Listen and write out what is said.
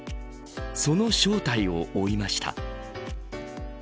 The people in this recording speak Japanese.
その正体を追いました。